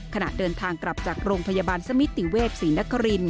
ขณะเดินทางกลับจากโรงพยาบาลสมิติเวศศรีนคริน